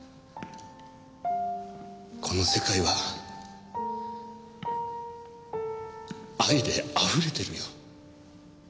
この世界は愛であふれてるよ。